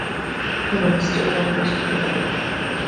Five of his children reached the throne.